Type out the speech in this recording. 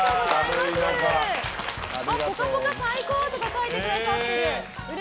「ぽかぽか」最高とか書いてくださってる。